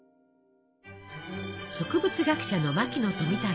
植物学者の牧野富太郎。